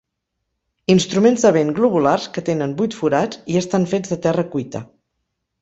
Instruments de vent globulars que tenen vuit forats i estan fets de terra cuita.